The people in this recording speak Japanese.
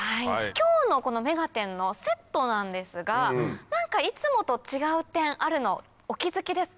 今日のこの『目がテン！』のセットなんですが何かいつもと違う点あるのお気付きですか？